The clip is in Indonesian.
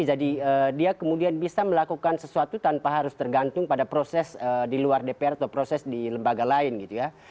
jadi dia kemudian bisa melakukan sesuatu tanpa harus tergantung pada proses di luar dpr atau proses di lembaga lain gitu ya